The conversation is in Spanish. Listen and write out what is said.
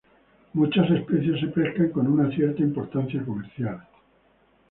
Muchas especies se pescan con una cierta importancia comercial.